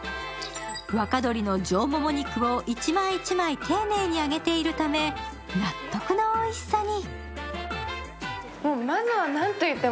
若鶏の上もも肉を１枚１枚丁寧に揚げているため納得のおいしさに。